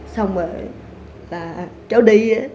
xong rồi là cháu đi